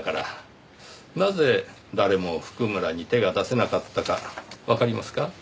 なぜ誰も譜久村に手が出せなかったかわかりますか？